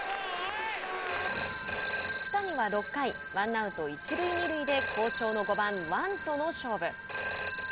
福谷は６回ワンアウト、一塁二塁で好調の５番王との勝負。